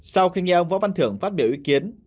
sau khi nghe ông võ văn thưởng phát biểu ý kiến